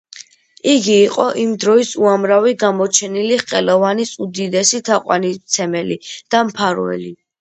იგი იყო იმ დროის უამრავი გამოჩენილი ხელოვანის უდიდესი თაყვანისმცემელი და მფარველი.